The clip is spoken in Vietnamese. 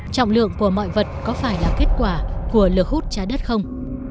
trọng lượng của mọi vật có phải là kết quả của lực hút trái đất không